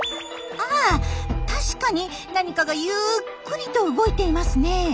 あ確かに何かがゆっくりと動いていますねえ。